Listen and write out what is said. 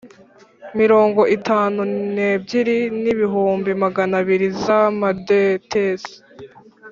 mirongo itanu n ebyiri n ibihumbi magana abiri z Amadetesi